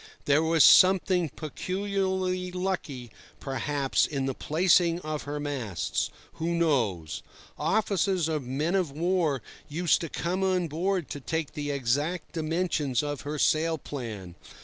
There was something peculiarly lucky, perhaps, in the placing of her masts—who knows? Officers of men of war used to come on board to take the exact dimensions of her sail plan.